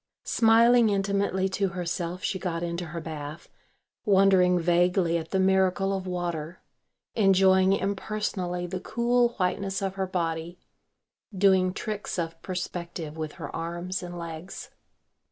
Smiling intimately to herself she got into her bath, wondering vaguely at the miracle of water, enjoying impersonally the cool whiteness of her body, doing tricks of perspective with her arms and legs.